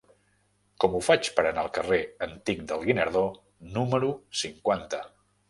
Com ho faig per anar al carrer Antic del Guinardó número cinquanta?